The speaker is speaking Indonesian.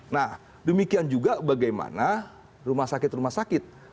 nah demikian juga bagaimana rumah sakit rumah sakit